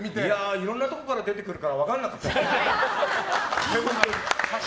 いろんなとこから出てくるから分からなかった。